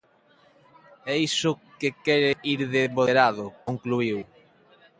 "E iso que quere ir de moderado", concluíu.